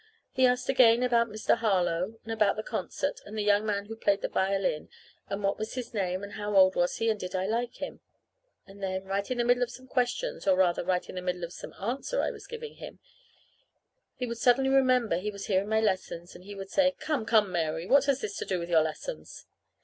He asked again about Mr. Harlow, and about the concert, and the young man who played the violin, and what was his name, and how old was he, and did I like him. And then, right in the middle of some question, or rather, right in the middle of some answer I was giving him, he would suddenly remember he was hearing my lessons, and he would say, "Come, come, Mary, what has this to do with your lessons?"